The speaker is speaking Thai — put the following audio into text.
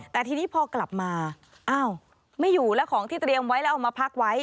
แต่ทีนี้พอกลับมาอ้าวไม่อยู่แล้วของที่เตรียมไว้แล้วเอามาพักไว้